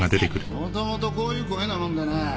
元々こういう声なもんでね。